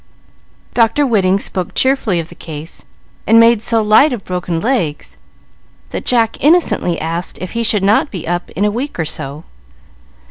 Dr. Whiting spoke cheerfully of the case, and made so light of broken legs, that Jack innocently asked if he should not be up in a week or so.